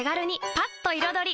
パッと彩り！